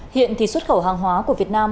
hiện thì xuất khẩu hàng hóa của việt nam